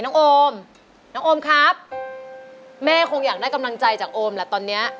โอมน้องโอมครับแม่คงอยากได้กำลังใจจากโอมแหละตอนนี้